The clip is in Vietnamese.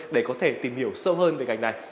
để có thể tìm hiểu sâu hơn về ngành này